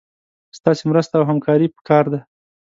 ستاسي مرسته او همکاري پکار ده